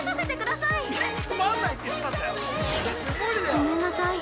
◆ごめんなさい。